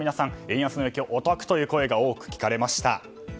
円安の影響は、お得という声が多く聞かれました。